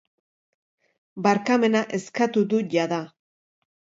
Barkamena eskatu du jada.